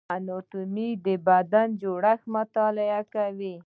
اناتومي د بدن جوړښت مطالعه کوي